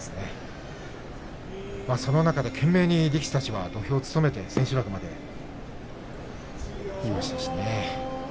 その中で懸命に力士たちは土俵を務めて千秋楽まできました。